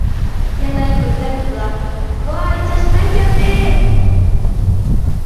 يەنە بىر دەمدىلا : ۋاي چاشقان كەلدى!